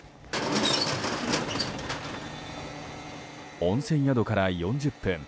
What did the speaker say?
温泉宿から４０分。